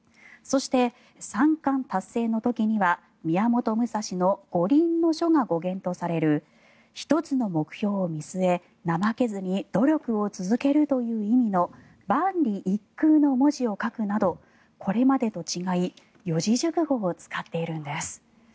そして、三冠達成の時には宮本武蔵の「五輪書」が語源とされる１つの目標を見据え、怠けずに努力を続けるという意味の「万里一空」の文字を書くなどこれまでと違い四字熟語を使っているんです。